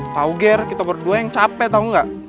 tau ger kita berdua yang capek tau gak